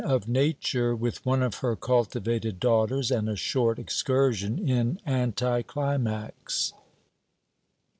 OF NATURE WITH ONE OF HER CULTIVATED DAUGHTERS AND A SHORT EXCURSION IN ANTI CLIMAX.